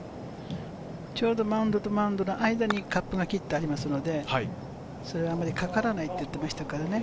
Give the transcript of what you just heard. ちょうどマウンドとマウンドの間にカップが切ってありますので、あまりかからないって言ってましたからね。